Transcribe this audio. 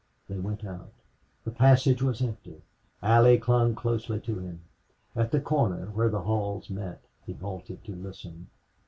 They went out. The passage was empty. Allie clung closely to him. At the corner, where the halls met, he halted to listen.